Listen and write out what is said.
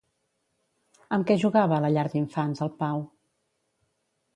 Amb què jugava a la llar d'infants el Pau?